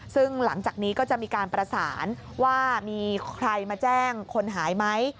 ซึ่งหลังจากนี้ก็จะมีการประสานว่ามีใครมาแจ้งคนหายไหม